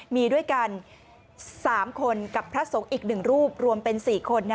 มีด้วยกัน๓คนกับพระสงฆ์อีก๑รูปรวมเป็น๔คน